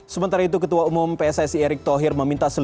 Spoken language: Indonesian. sementara itu ketua umum pssi erick thohir meminta